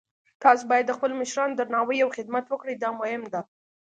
تاسو باید د خپلو مشرانو درناوی او خدمت وکړئ، دا مهم ده